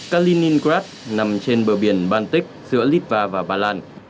kaliningrad nằm trên bờ biển baltic giữa litva và bà lan